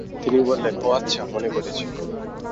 তিনি বললেন, ও আচ্ছা, মনে পড়েছে।